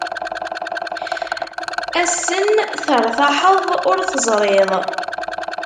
Ass-n tertaḥeḍ ur teẓriḍ.